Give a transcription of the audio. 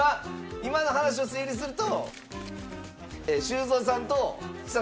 今の話を整理すると。